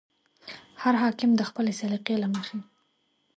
هر حاکم د خپلې سلیقې له مخې.